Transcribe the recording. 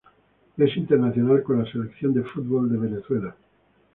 Es internacional con la selección de fútbol de Venezuela.